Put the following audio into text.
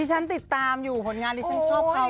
ฉันติดตามอยู่ผลงานที่ฉันชอบเขา